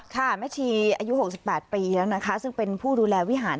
ค่ะแม่ชีอายุหกสิบแปดปีแล้วนะคะซึ่งเป็นผู้ดูแลวิหาร